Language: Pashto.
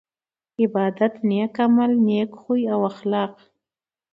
عبادت نيک عمل نيک خوي او اخلاق